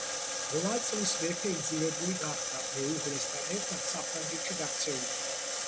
რვა წლის მეფე იძულებული გახდა, მეუღლესთან ერთად საფრანგეთში გაქცეულიყო.